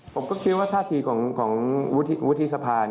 ผมก็คิดว่าท่าทีของวุฒิสภา